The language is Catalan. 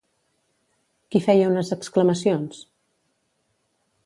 Qui feia unes exclamacions?